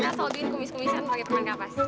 kita selalu bikin kumis kumisan pakai perangkapas